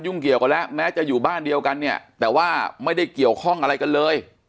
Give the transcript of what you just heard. เกี่ยวกันแล้วแม้จะอยู่บ้านเดียวกันเนี่ยแต่ว่าไม่ได้เกี่ยวข้องอะไรกันเลย